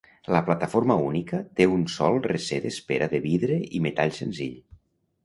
La plataforma única té un sol recer d'espera de vidre i metall senzill.